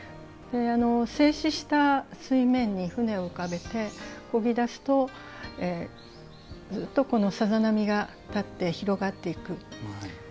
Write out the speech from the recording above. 静止した水面に舟を浮かべてこぎだすとずっとさざ波が立って広がっていく。